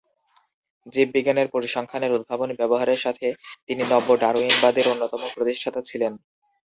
জীববিজ্ঞানের পরিসংখ্যান এর উদ্ভাবনী ব্যবহারের সাথে তিনি নব্য-ডারউইনবাদ এর অন্যতম প্রতিষ্ঠাতা ছিলেন।